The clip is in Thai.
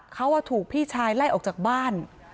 เขาถูกพี่ชายไล่ออกจากบ้าน